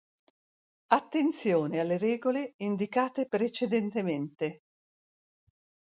Attenzione alle regole indicate precedentemente.